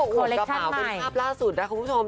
คุณก็เป่าคุณภาพหลักสุดนะคุณผู้ชม